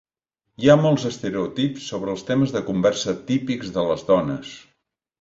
Hi ha molts estereotips sobre els temes de conversa típics de les dones.